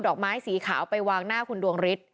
อกไม้สีขาวไปวางหน้าคุณดวงฤทธิ